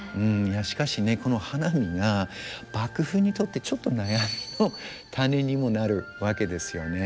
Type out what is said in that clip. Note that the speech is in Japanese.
しかしねこの花見が幕府にとってちょっと悩みの種にもなるわけですよね。